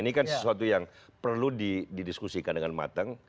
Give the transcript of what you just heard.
ini kan sesuatu yang perlu didiskusikan dengan matang